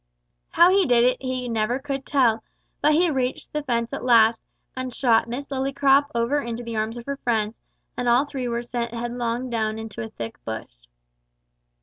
How he did it he never could tell, but he reached the fence at last, and shot Miss Lillycrop over into the arms of her friends, and all three were sent headlong down into a thick bush.